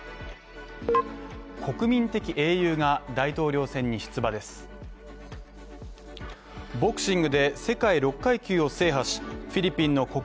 国民的英雄が大統領選に出馬です